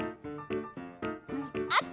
あった！